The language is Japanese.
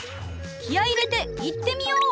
気合い入れていってみよう！